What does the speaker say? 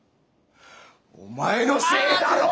お前のせいだろ！